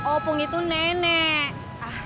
opung itu nenek